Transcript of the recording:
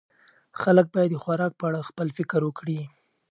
خلک باید د خوراک په اړه خپل فکر وکړي.